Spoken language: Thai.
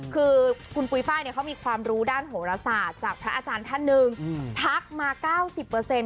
คือคุณปุ้ยฝ้ายเขามีความรู้ด้านโหรศาสตร์จากพระอาจารย์ท่าน๑ทักมา๙๐เปอร์เซ็นต์